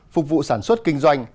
phục vụ sản xuất kinh doanh